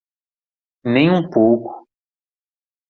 Nem um pouco.